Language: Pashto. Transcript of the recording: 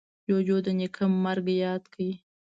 جوجو د نیکه مرگ ياد کړ.